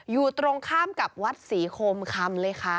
อยู่ตรงข้ามกับวัดศรีโคมคำเลยค่ะ